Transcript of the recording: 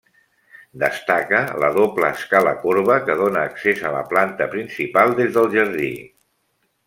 Destaca la doble escala corba que dóna accés a la planta principal des del jardí.